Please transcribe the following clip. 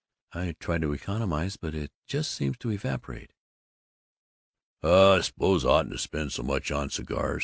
I try to economize, but it just seems to evaporate." "I suppose I oughtn't to spend so much on cigars.